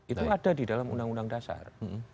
itu ada di dalam undang undang dasar